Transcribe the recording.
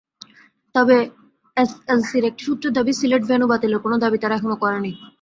তবে এসএলসির একটি সূত্রের দাবি, সিলেট ভেন্যু বাতিলের কোনো দাবি তারা এখনো করেনি।